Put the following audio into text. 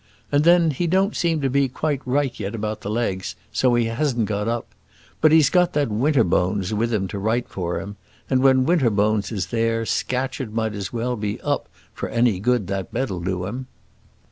And then, he don't seem to be quite right yet about the legs, so he hasn't got up; but he's got that Winterbones with him to write for him, and when Winterbones is there, Scatcherd might as well be up for any good that bed'll do him."